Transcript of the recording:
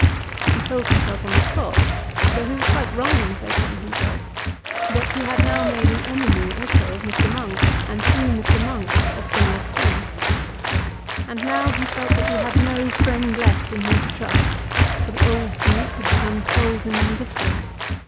He told himself on the spot, though he was quite wrong in so telling himself, that he had now made an enemy also of Mr. Monk, and through Mr. Monk of Phineas Finn. And now he felt that he had no friend left in whom to trust, for the old Duke had become cold and indifferent.